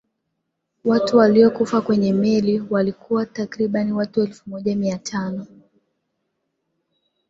watu waliyokufa kwenye meli walikuwa takiribu watu elfu moja mia tano